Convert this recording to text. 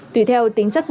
tùy theo tính chất vụ